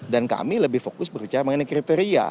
dan kami lebih fokus berbicara mengenai kriteria